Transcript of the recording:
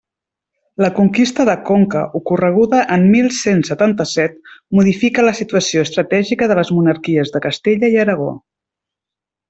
La conquista de Conca, ocorreguda en mil cent setanta-set, modifica la situació estratègica de les monarquies de Castella i Aragó.